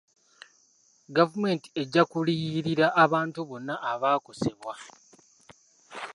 Gavumenti ejja kuliyirira abantu bonna abaakosebwa.